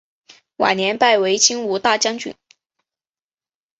晚年拜为金吾大将军。